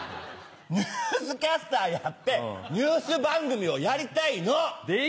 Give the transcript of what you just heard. ニュースキャスターやってニュース番組をやりたいの！